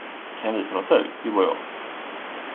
Kan vi prata ut, du och jag?